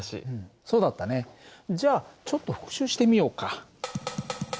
そうだったねじゃあちょっと復習してみようか。